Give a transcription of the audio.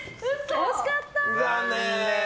惜しかった。